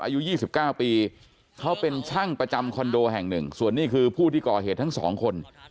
อายุ๒๙ปีเขาเป็นช่างประจำคอนโดแห่งหนึ่งส่วนนี้คือผู้ที่ก่อเหตุทั้งสองคน